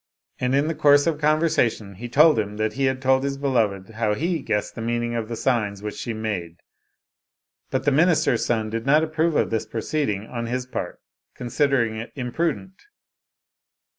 And in the course of conversation he told him, that he had told his beloved how he guessed the meaning of the signs which she made. But the minister's son did not approve of this proceeding on his part, considering it imprudent.